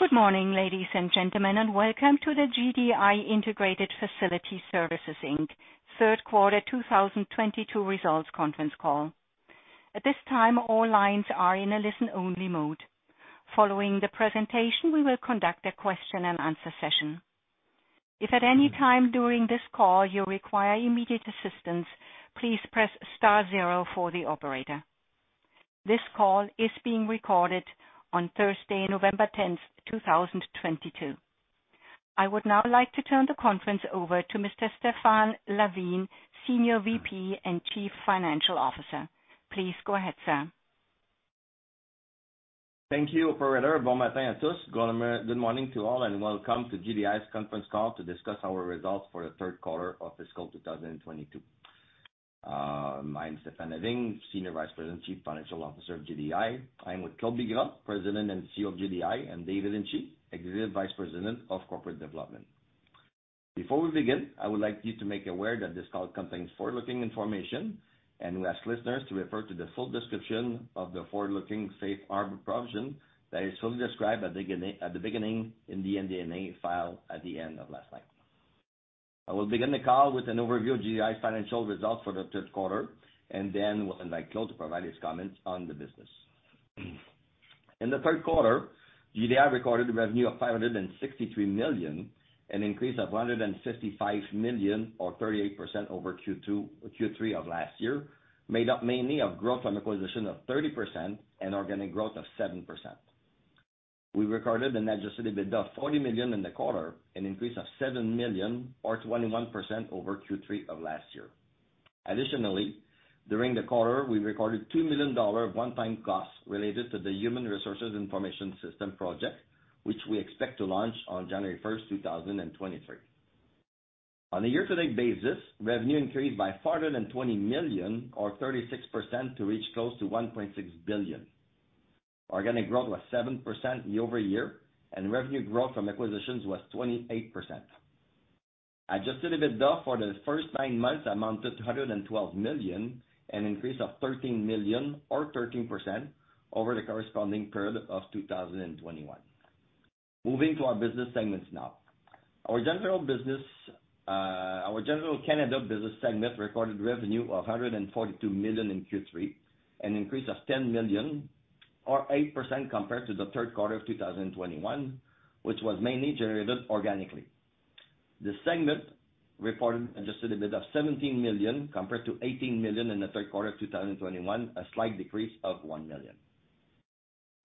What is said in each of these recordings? Good morning, ladies and gentlemen, and welcome to the GDI Integrated Facility Services Inc. third quarter 2022 results conference call. At this time, all lines are in a listen-only mode. Following the presentation, we will conduct a question and answer session. If at any time during this call you require immediate assistance, please press star zero for the operator. This call is being recorded on Thursday, November 10, 2022. I would now like to turn the conference over to Mr. Stéphane Lavigne, Senior VP and Chief Financial Officer. Please go ahead, sir. Thank you, operator. Bonjour à tous. Good morning to all, and welcome to GDI's conference call to discuss our results for the third quarter of fiscal 2022. I'm Stéphane Lavigne, Senior Vice President, Chief Financial Officer of GDI. I'm with Claude Bigras, President and CEO of GDI, and David Hinchey, Executive Vice President of Corporate Development. Before we begin, I would like to make you aware that this call contains forward-looking information, and we ask listeners to refer to the full description of the forward-looking safe harbor provision that is fully described at the beginning in the MD&A filed last night. I will begin the call with an overview of GDI's financial results for the third quarter, and then we'll invite Claude to provide his comments on the business. In the third quarter, GDI recorded revenue of 563 million, an increase of a hundred and sixty-five million or 38% over Q3 of last year, made up mainly of growth from acquisition of 30% and organic growth of 7%. We recorded an adjusted EBITDA of 40 million in the quarter, an increase of 7 million or 21% over Q3 of last year. Additionally, during the quarter, we recorded 2 million dollar of one-time costs related to the Human Resources Information System project, which we expect to launch on January first, 2023. On a year-to-date basis, revenue increased by 420 million or 36% to reach close to 1.6 billion. Organic growth was 7% year-over-year, and revenue growth from acquisitions was 28%. Adjusted EBITDA for the first nine months amounted to 212 million, an increase of 13 million or 13% over the corresponding period of 2021. Moving to our business segments now. Our Janitorial Canada business segment recorded revenue of 142 million in Q3, an increase of 10 million or 8% compared to the third quarter of 2021, which was mainly generated organically. The segment reported adjusted EBITDA of 17 million, compared to 18 million in the third quarter of 2021, a slight decrease of 1 million.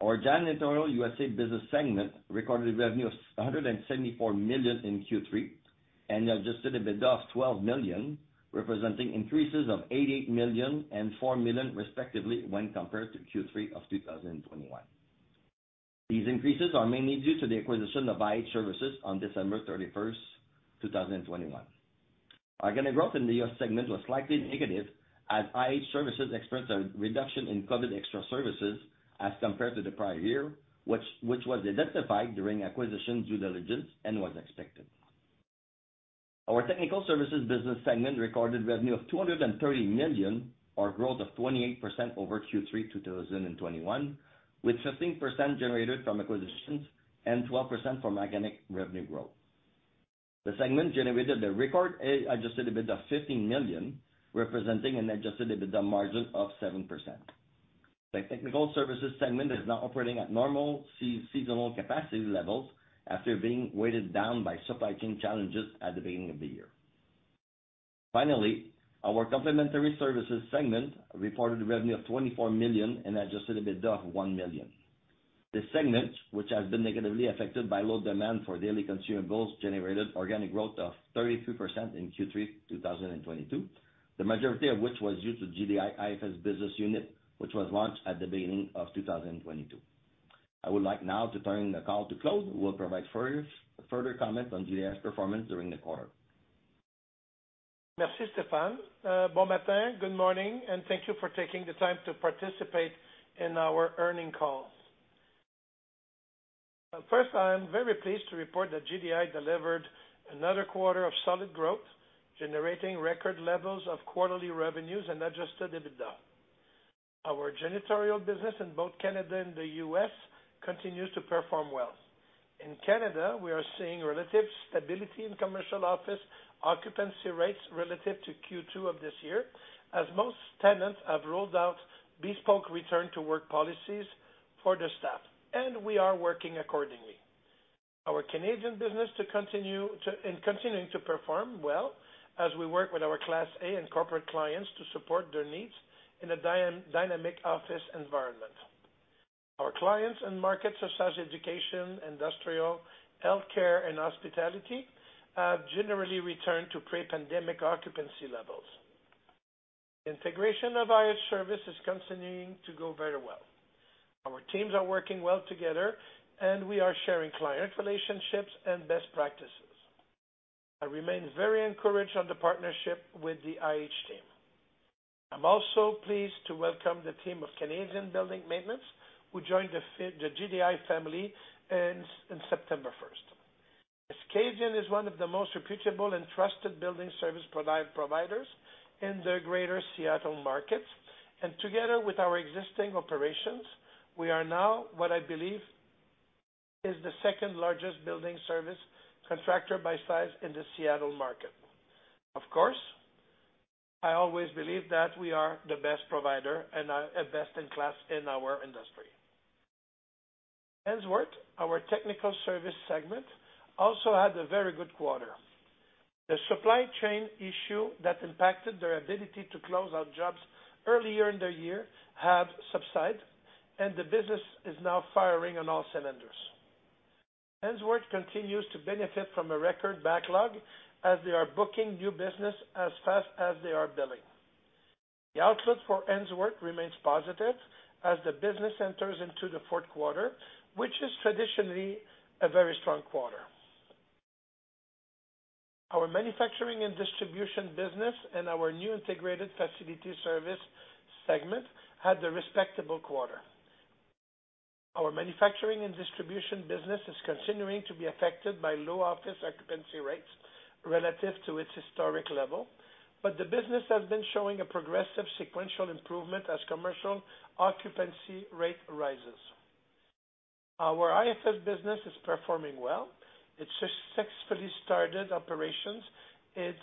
Our Janitorial USA business segment recorded revenue of 174 million in Q3, and adjusted EBITDA of 12 million, representing increases of 88 million and 4 million, respectively, when compared to Q3 of 2021. These increases are mainly due to the acquisition of IH Services on December 31, 2021. Organic growth in the US segment was slightly negative, as IH Services experienced a reduction in COVID extra services as compared to the prior year, which was identified during acquisition due diligence and was expected. Our Technical Services business segment recorded revenue of 230 million, a growth of 28% over Q3 2021, with 15% generated from acquisitions and 12% from organic revenue growth. The segment generated a record adjusted EBITDA of 50 million, representing an adjusted EBITDA margin of 7%. The Technical Services segment is now operating at normal seasonal capacity levels after being weighed down by supply chain challenges at the beginning of the year. Finally, our Complementary Services segment reported revenue of 24 million and adjusted EBITDA of 1 million. This segment, which has been negatively affected by low demand for daily consumables, generated organic growth of 33% in Q3 2022, the majority of which was due to GDI IFS business unit, which was launched at the beginning of 2022. I would like now to turn the call to Claude, who will provide further comments on GDI's performance during the quarter. Merci, Stéphane. Bon matin. Good morning, and thank you for taking the time to participate in our earnings call. First, I am very pleased to report that GDI delivered another quarter of solid growth, generating record levels of quarterly revenues and adjusted EBITDA. Our janitorial business in both Canada and the U.S. continues to perform well. In Canada, we are seeing relative stability in commercial office occupancy rates relative to Q2 of this year, as most tenants have rolled out bespoke return to work policies for their staff, and we are working accordingly. Our Canadian business continues to perform well as we work with our Class A and corporate clients to support their needs in a dynamic office environment. Our clients and markets such as education, industrial, healthcare, and hospitality have generally returned to pre-pandemic occupancy levels. Integration of IH Services is continuing to go very well. Our teams are working well together and we are sharing client relationships and best practices. I remain very encouraged on the partnership with the IH team. I'm also pleased to welcome the team of Cascadian Building Maintenance, who joined the GDI family in September first. Cascadian Building Maintenance is one of the most reputable and trusted building service providers in the Greater Seattle market. Together with our existing operations, we are now what I believe is the second largest building service contractor by size in the Seattle market. Of course, I always believe that we are the best provider and best in class in our industry. Ainsworth, our technical service segment, also had a very good quarter. The supply chain issue that impacted their ability to close out jobs earlier in the year has subsided, and the business is now firing on all cylinders. Ainsworth continues to benefit from a record backlog as they are booking new business as fast as they are billing. The outlook for Ainsworth remains positive as the business enters into the fourth quarter, which is traditionally a very strong quarter. Our manufacturing and distribution business and our new integrated facility services segment had a respectable quarter. Our manufacturing and distribution business is continuing to be affected by low office occupancy rates relative to its historic level, but the business has been showing a progressive sequential improvement as commercial occupancy rate rises. Our IFS business is performing well. It successfully started operations,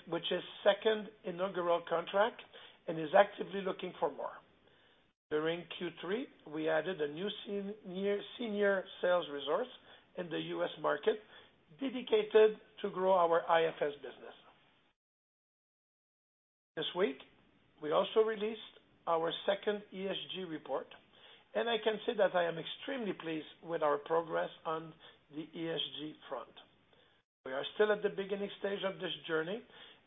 which is its second inaugural contract and is actively looking for more. During Q3, we added a new senior sales resource in the U.S. market dedicated to grow our IFS business. This week, we also released our second ESG report, and I can say that I am extremely pleased with our progress on the ESG front. We are still at the beginning stage of this journey,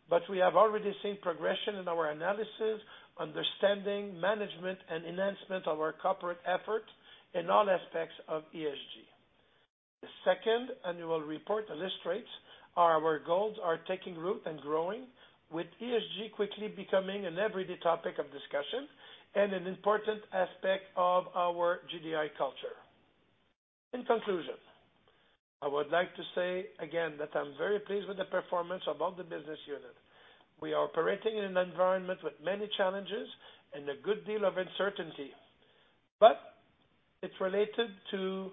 but we have already seen progression in our analysis, understanding, management, and enhancement of our corporate effort in all aspects of ESG. The second annual report illustrates our goals are taking root and growing, with ESG quickly becoming an everyday topic of discussion and an important aspect of our GDI culture. In conclusion, I would like to say again that I'm very pleased with the performance of all the business unit. We are operating in an environment with many challenges and a good deal of uncertainty, but it's related to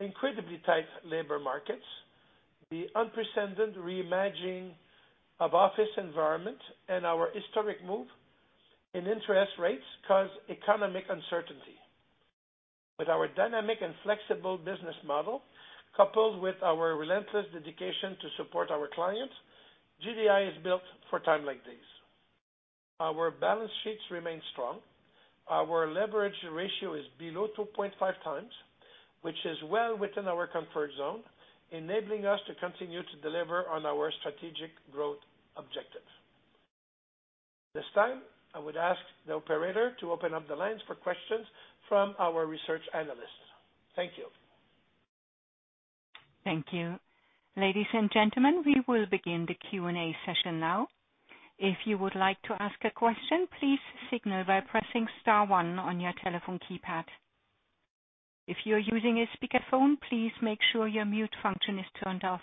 incredibly tight labor markets, the unprecedented reimagining of office environment, and our historic move in interest rates cause economic uncertainty. With our dynamic and flexible business model, coupled with our relentless dedication to support our clients, GDI is built for time like these. Our balance sheets remain strong. Our leverage ratio is below 2.5 times, which is well within our comfort zone, enabling us to continue to deliver on our strategic growth objective. This time, I would ask the operator to open up the lines for questions from our research analysts. Thank you. Thank you. Ladies and gentlemen, we will begin the Q&A session now. If you would like to ask a question, please signal by pressing star one on your telephone keypad. If you're using a speakerphone, please make sure your mute function is turned off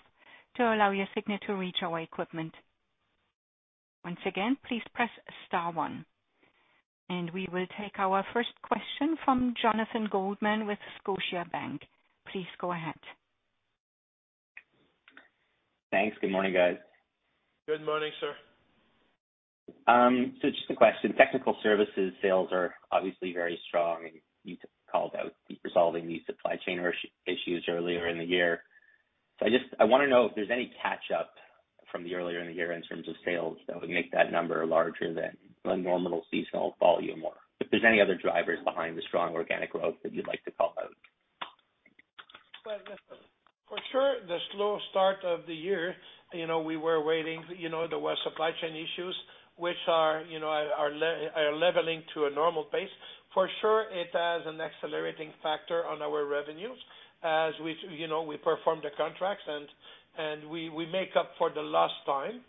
to allow your signal to reach our equipment. Once again, please press star one. We will take our first question from Jonathan Goldman with Scotiabank. Please go ahead. Thanks. Good morning, guys. Good morning, sir. Just a question. Technical services sales are obviously very strong. You called out resolving these supply chain issues earlier in the year. I just I wanna know if there's any catch-up from the earlier in the year in terms of sales that would make that number larger than a normal seasonal volume or if there's any other drivers behind the strong organic growth that you'd like to call out. Well, for sure, the slow start of the year, you know, we were waiting, you know, there was supply chain issues which are, you know, are leveling to a normal pace. For sure, it has an accelerating factor on our revenues as we, you know, we perform the contracts and we make up for the lost time.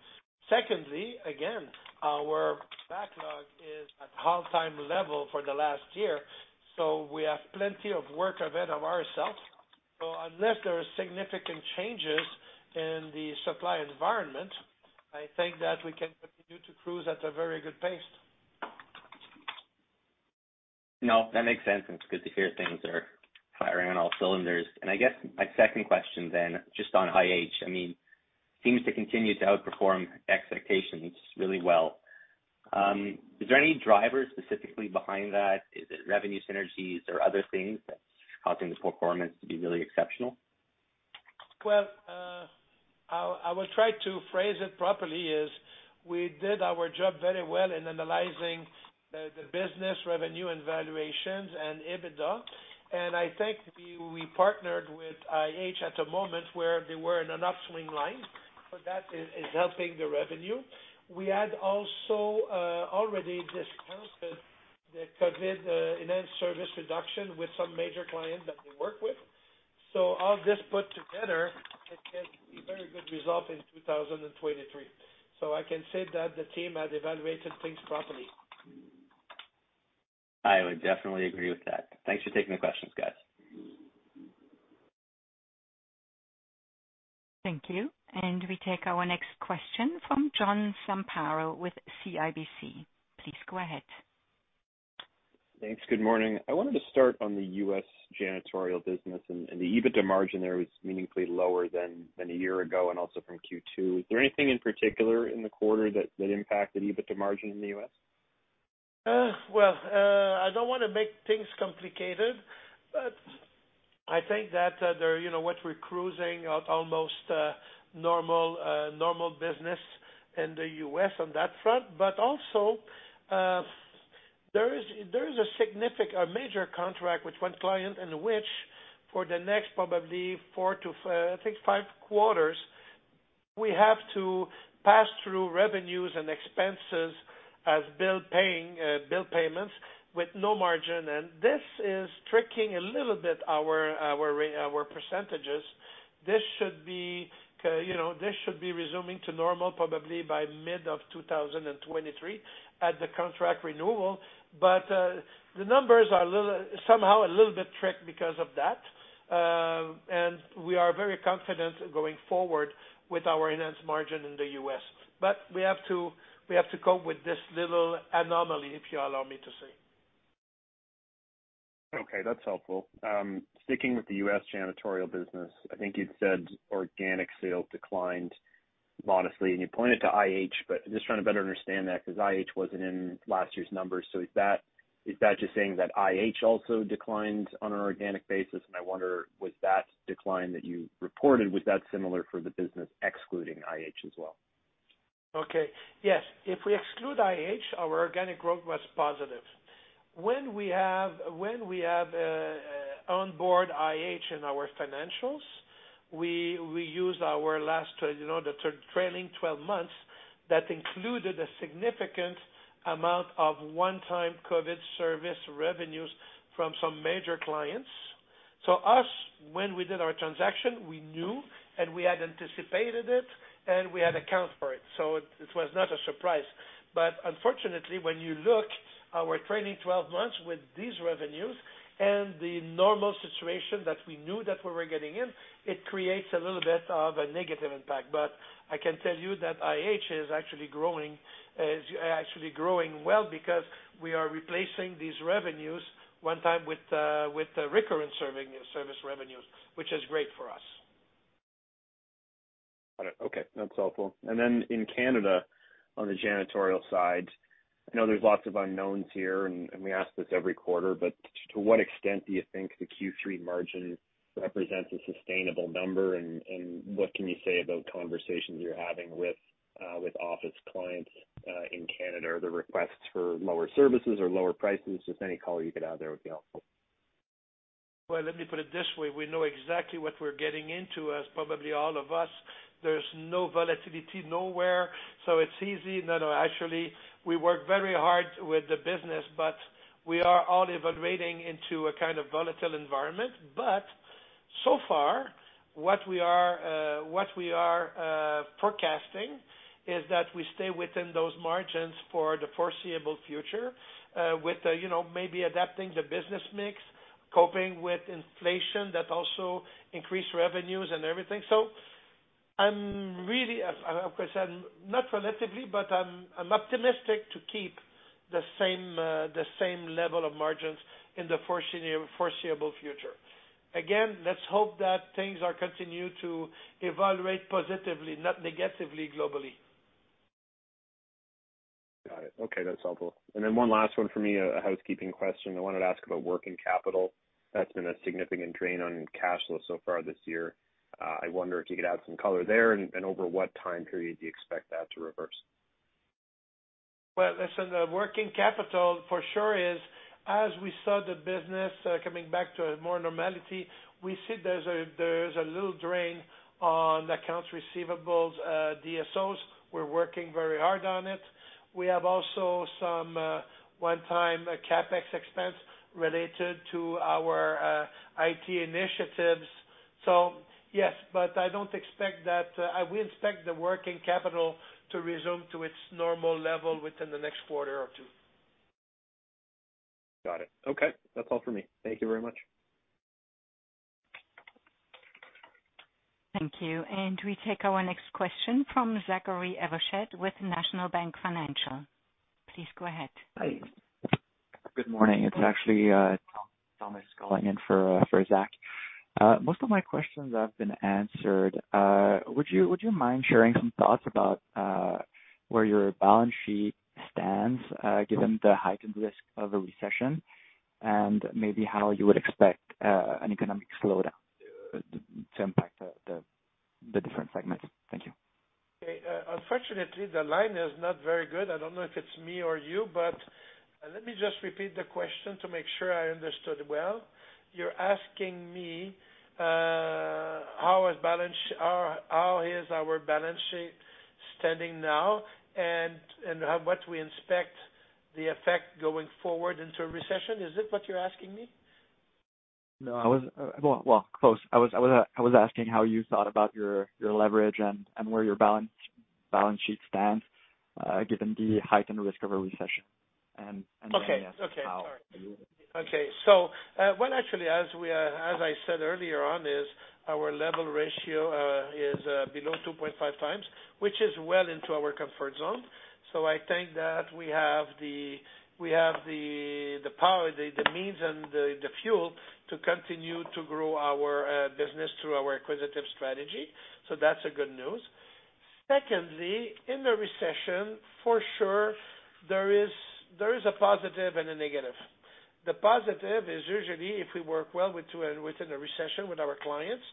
Secondly, again, our backlog is at all-time level for the last year, so we have plenty of work ahead of ourselves. Unless there are significant changes in the supply environment, I think that we can continue to cruise at a very good pace. No, that makes sense, and it's good to hear things are firing on all cylinders. I guess my second question then, just on IH. I mean, seems to continue to outperform expectations really well. Is there any drivers specifically behind that? Is it revenue synergies or other things that's causing this performance to be really exceptional? Well, I will try to phrase it properly as we did our job very well in analyzing the business revenue and valuations and EBITDA. I think we partnered with IH at a moment where they were in an upswing line. That is helping the revenue. We had also already discounted the COVID enhanced service reduction with some major clients that we work with. All this put together, it can be very good result in 2023. I can say that the team has evaluated things properly. I would definitely agree with that. Thanks for taking the questions, guys. Thank you. We take our next question from John Zamparo with CIBC. Please go ahead. Thanks. Good morning. I wanted to start on the U.S. janitorial business and the EBITDA margin there was meaningfully lower than a year ago and also from Q2. Is there anything in particular in the quarter that impacted EBITDA margin in the U.S.? Well, I don't wanna make things complicated, but I think that, there, you know, what we're cruising at almost normal business in the U.S. on that front, but also, there is a significant, a major contract with one client in which for the next probably 4-5 quarters, we have to pass through revenues and expenses as bill paying, bill payments with no margin. This is tricking a little bit our percentages. This should be resuming to normal probably by mid of 2023 at the contract renewal. The numbers are somehow a little bit tricked because of that. We are very confident going forward with our enhanced margin in the U.S. We have to cope with this little anomaly, if you allow me to say. Okay, that's helpful. Sticking with the U.S. janitorial business, I think you'd said organic sales declined modestly, and you pointed to IH, but just trying to better understand that 'cause IH wasn't in last year's numbers. Is that just saying that IH also declined on an organic basis? I wonder, was that decline that you reported similar for the business excluding IH as well? Okay. Yes. If we exclude IH, our organic growth was positive. When we have onboard IH in our financials, we use our last, you know, the trailing twelve months that included a significant amount of one-time COVID service revenues from some major clients. When we did our transaction, we knew, and we had anticipated it, and we had accounted for it, so it was not a surprise. Unfortunately, when you look at our trailing twelve months with these revenues and the normal situation that we knew that we were getting in, it creates a little bit of a negative impact. I can tell you that IH is actually growing well because we are replacing these one-time revenues with recurring service revenues, which is great for us. Got it. Okay, that's helpful. In Canada, on the janitorial side, I know there's lots of unknowns here, and we ask this every quarter, but to what extent do you think the Q3 margin represents a sustainable number and what can you say about conversations you're having with office clients in Canada, the requests for lower services or lower prices? Just any color you could add there would be helpful. Well, let me put it this way. We know exactly what we're getting into as probably all of us. There's no volatility nowhere, so it's easy. No, no, actually, we work very hard with the business, but we are all operating in a kind of volatile environment. So far, what we are forecasting is that we stay within those margins for the foreseeable future, with you know, maybe adapting the business mix, coping with inflation that also increase revenues and everything. I'm really, as I said, not relatively, but I'm optimistic to keep the same level of margins in the foreseeable future. Let's hope that things continue to evolve positively, not negatively globally. Got it. Okay, that's helpful. One last one for me, a housekeeping question. I wanted to ask about working capital. That's been a significant drain on cash flow so far this year. I wonder if you could add some color there and over what time period do you expect that to reverse? Well, listen, the working capital for sure is as we saw the business coming back to a more normality. We see there's a little drain on accounts receivables, DSO. We're working very hard on it. We have also some one-time CapEx expense related to our IT initiatives. Yes, but I don't expect that. We expect the working capital to resume to its normal level within the next quarter or two. Got it. Okay. That's all for me. Thank you very much. Thank you. We take our next question from Zachary Evershed with National Bank Financial. Please go ahead. Hi. Good morning. It's actually Thomas calling in for Zach. Most of my questions have been answered. Would you mind sharing some thoughts about where your balance sheet stands, given the heightened risk of a recession and maybe how you would expect an economic slowdown to impact the different segments? Thank you. Okay. Unfortunately, the line is not very good. I don't know if it's me or you, but let me just repeat the question to make sure I understood well. You're asking me, how is our balance sheet standing now and what we expect the effect going forward into a recession. Is it what you're asking me? No, well, close. I was asking how you thought about your leverage and where your balance sheet stands, given the heightened risk of a recession and Okay. Sorry. How you- Okay. Actually, as I said earlier on, our leverage ratio is below 2.5x, which is well into our comfort zone. I think that we have the power, the means and the fuel to continue to grow our business through our acquisitive strategy. That's good news. Secondly, in the recession, for sure, there is a positive and a negative. The positive is usually if we work well within the recession with our clients,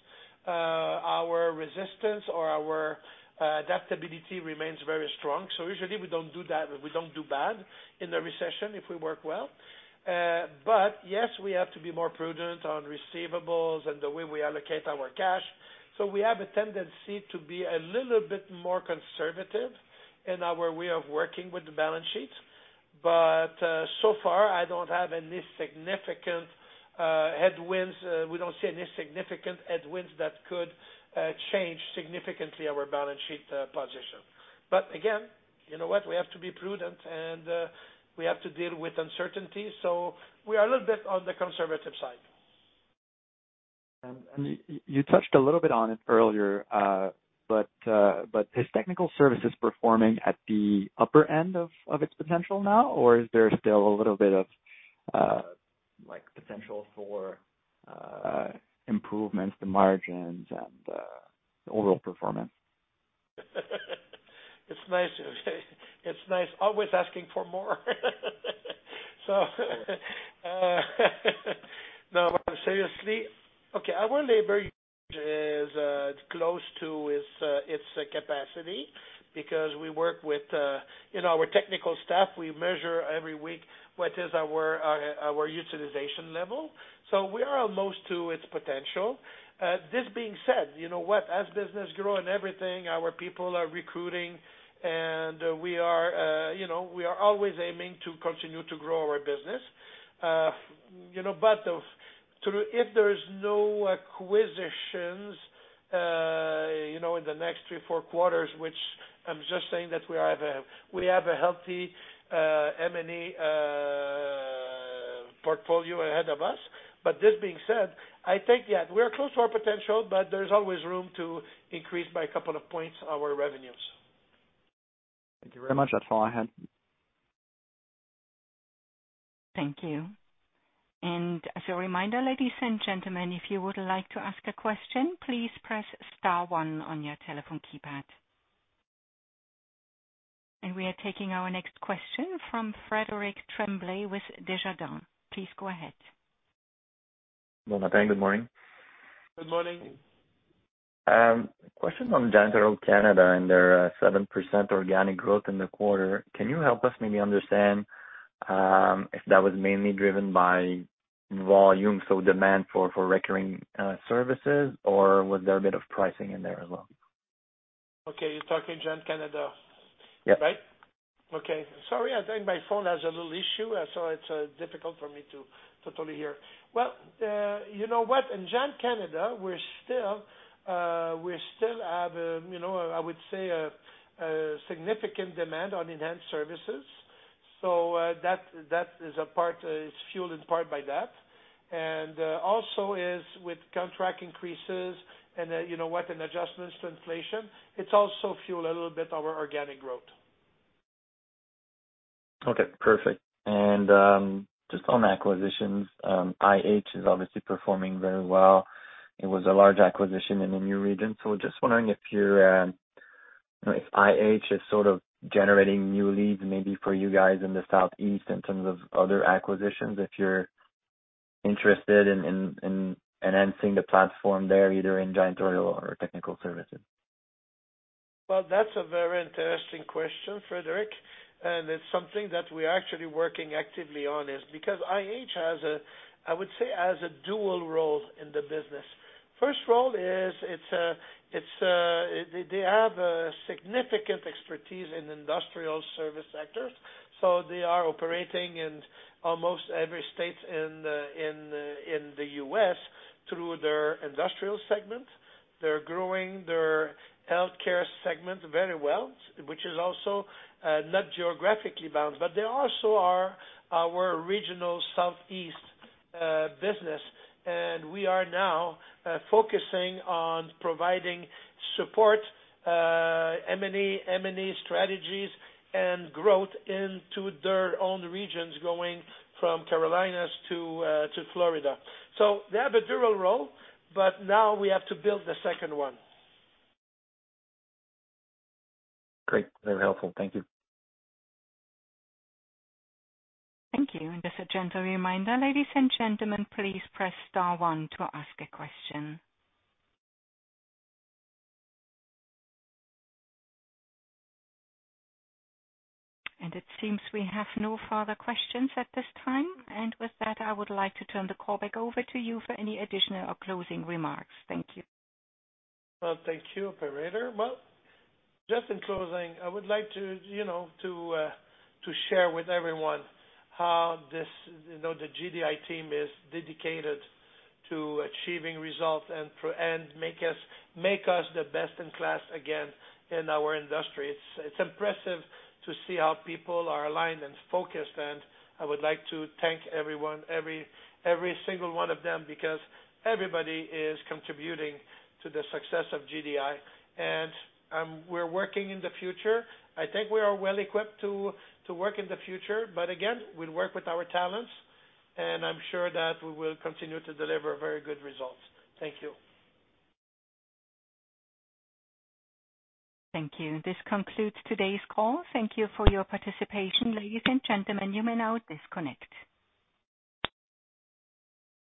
our resistance or our adaptability remains very strong. Usually we don't do bad in the recession if we work well. But yes, we have to be more prudent on receivables and the way we allocate our cash. We have a tendency to be a little bit more conservative in our way of working with the balance sheet. So far, I don't have any significant headwinds. We don't see any significant headwinds that could change significantly our balance sheet position. Again, you know what? We have to be prudent and we have to deal with uncertainty, so we are a little bit on the conservative side. You touched a little bit on it earlier, but is technical services performing at the upper end of its potential now? Or is there still a little bit of like potential for improvements to margins and the overall performance? It's nice. Always asking for more. No, but seriously, our labor is close to its capacity because we work within our technical staff. We measure every week what our utilization level is. We are almost to its potential. This being said, you know what? As business grow and everything, our people are recruiting and we are, you know, we are always aiming to continue to grow our business. You know, but if there is no acquisitions in the next 3, 4 quarters, which I'm just saying we have a healthy M&A portfolio ahead of us. This being said, I think, yeah, we're close to our potential, but there's always room to increase by a couple of points our revenues. Thank you very much. That's all I had. Thank you. As a reminder, ladies and gentlemen, if you would like to ask a question, please press star one on your telephone keypad. We are taking our next question from Frederic Tremblay with Desjardins. Please go ahead. Bon matin. Good morning. Good morning. Question on Janitorial Canada and their 7% organic growth in the quarter. Can you help us maybe understand if that was mainly driven by volume, so demand for recurring services, or was there a bit of pricing in there as well? Okay, you're talking Janitorial Canada. Yep. Right? Okay. Sorry. I think my phone has a little issue, so it's difficult for me to totally hear. Well, you know what? In Janitorial Canada, we still have a, you know, I would say a significant demand for enhanced services. So, that is fueled in part by that. Also with contract increases and, you know what? With adjustments to inflation, it's also fuels a little bit our organic growth. Okay, perfect. Just on acquisitions, IH is obviously performing very well. It was a large acquisition in the new region. Just wondering if IH is sort of generating new leads maybe for you guys in the Southeast in terms of other acquisitions, if you're interested in enhancing the platform there, either in janitorial or technical services. Well, that's a very interesting question, Frederic. It's something that we are actually working actively on is because IH has a, I would say, dual role in the business. First role is they have a significant expertise in industrial service sectors. They are operating in almost every state in the U.S. through their industrial segment. They're growing their healthcare segment very well, which is also not geographically bound, but they also are our regional Southeast business. We are now focusing on providing support, M&A strategies and growth into their own regions, going from Carolinas to Florida. They have a dual role, but now we have to build the second one. Great. Very helpful. Thank you. Thank you. Just a gentle reminder, ladies and gentlemen, please press star one to ask a question. It seems we have no further questions at this time. With that, I would like to turn the call back over to you for any additional or closing remarks. Thank you. Well, thank you, operator. Well, just in closing, I would like to, you know, to share with everyone how this, you know, the GDI team is dedicated to achieving results and make us the best in class again in our industry. It's impressive to see how people are aligned and focused, and I would like to thank everyone, every single one of them, because everybody is contributing to the success of GDI. We're working in the future. I think we are well equipped to work in the future. We work with our talents, and I'm sure that we will continue to deliver very good results. Thank you. Thank you. This concludes today's call. Thank you for your participation. Ladies and gentlemen, you may now disconnect.